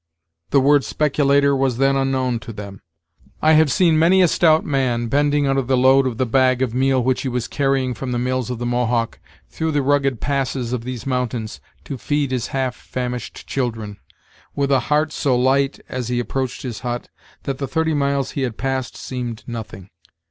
The word speculator was then unknown to them. I have seen many a stout man, bending under the load of the bag of meal which he was carrying from the mills of the Mohawk, through the rugged passes of these mountains, to feed his half famished children, with a heart so light, as he approached his hut, that the thirty miles he had passed seemed nothing.